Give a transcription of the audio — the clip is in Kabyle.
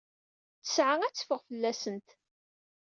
Ttesɛa ad teffeɣ fell-asent.